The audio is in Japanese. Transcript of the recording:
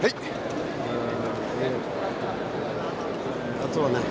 あとはね